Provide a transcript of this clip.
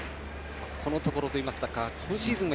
このところといいますか今シーズン